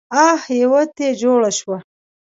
اح يوه تې جوړه شوه.